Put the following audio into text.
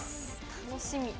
楽しみ。